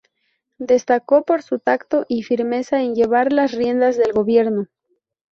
Destacó por su tacto y firmeza en llevar las riendas del gobierno.